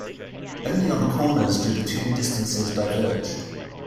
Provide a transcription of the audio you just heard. Only on corners do the two distances diverge.